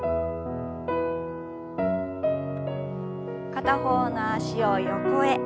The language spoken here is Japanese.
片方の脚を横へ。